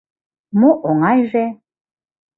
Мо оҥайже?